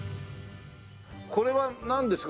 これはなんですか？